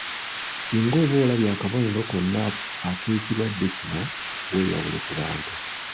Singa oba olabye akabonero konna ak’ekirwadde kino, weeyawule ku bantu.